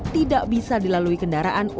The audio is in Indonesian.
tidak bisa dilalui kendaraan untuk melintasi